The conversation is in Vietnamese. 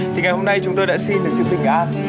thì ngày hôm nay chúng tôi đã xin được chữ bình an